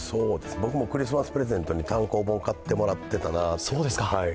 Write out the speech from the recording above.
僕もクリスマスプレゼントに単行本を買ってもらってたなと。